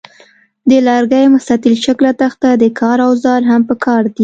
د لرګي مستطیل شکله تخته او د کار اوزار هم پکار دي.